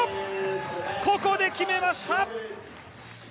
ここで決めました！